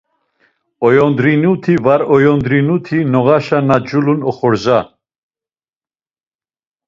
Oyondrinuti var ayondrinuti noğaşe na culun xordza.